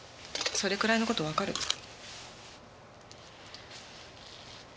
それくらいの事わかる。